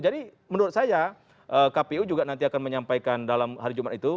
jadi menurut saya kpu juga nanti akan menyampaikan dalam hari jumat itu